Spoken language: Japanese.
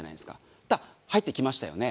そしたら入ってきましたよね？